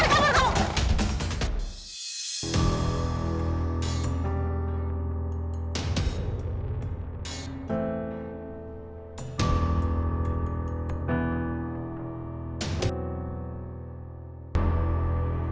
sally jangan kemana mana kamu